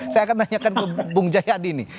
saya akan tanyakan ke bung jayadi nih